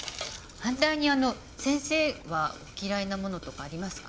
反対に先生は嫌いなものとかありますか？